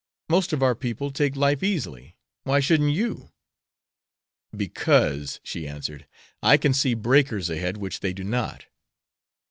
Most of our people take life easily why shouldn't you?" "Because," she answered, "I can see breakers ahead which they do not."